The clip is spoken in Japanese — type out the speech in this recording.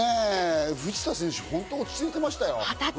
藤田選手、本当に落ち着いていましたよ。